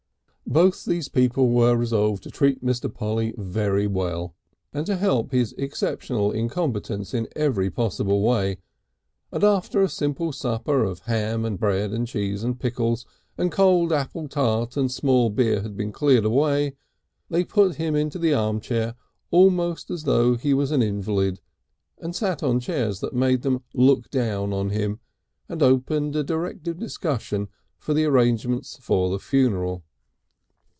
Both these people were resolved to treat Mr. Polly very well, and to help his exceptional incompetence in every possible way, and after a simple supper of ham and bread and cheese and pickles and cold apple tart and small beer had been cleared away, they put him into the armchair almost as though he was an invalid, and sat on chairs that made them look down on him, and opened a directive discussion of the arrangements for the funeral.